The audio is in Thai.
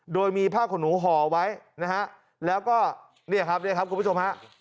โดยมีผ้าขนหนูห่อไว้นะฮะแล้วก็เนี่ยครับเนี่ยครับคุณผู้ชมฮะ